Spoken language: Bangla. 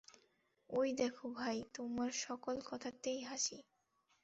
ওই দেখো ভাই, তোমার সকল কথাতেই হাসি।